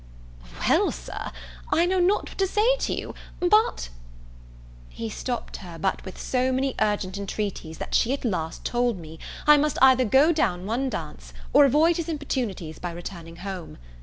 "Well, Sir, I know not what to say to you, but " He stopt her but with so many urgent entreaties that she at last told me, I must either go down one dance, or avoid his importunities by returning home.